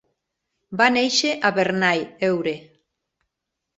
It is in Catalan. Va néixer a Bernay, Eure.